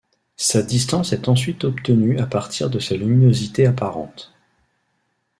Sa distance est ensuite obtenue à partir de sa luminosité apparente.